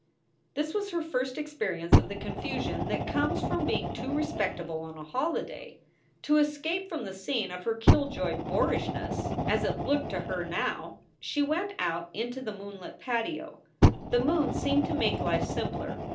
This was her first experience of the confusion that comes from being too respectable on a holiday. To escape from SOULS FOR SALE 173 the scene of her kill joy boorishness (as it looked to her now) she went out into the moonlit patio. The moon seemed to make life simpler.